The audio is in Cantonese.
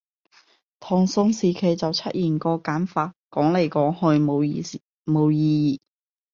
唐宋時期就出現過簡化，講來講去冇意義